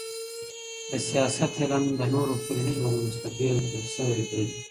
د سياست علم له نورو ټولنيزو علومو څخه بېل کړل سوی دی.